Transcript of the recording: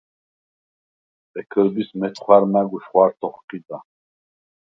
ბექჷრბის მეთხვა̈რ მა̈გ უშხვა̈რთ’ოხჴიდა.